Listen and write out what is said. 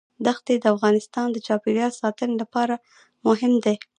دښتې د افغانستان د چاپیریال ساتنې لپاره مهم دي.